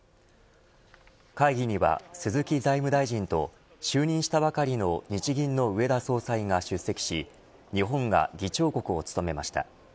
会議には鈴木財務大臣と就任したばかりの日銀の植田総裁が出席し日本が議長国を務めました。